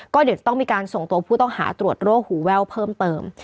ก็เดี๋ยวจะต้องมีการส่งตัวผู้ต้องหาตรวจโรคหูแว่วเพิ่มเติม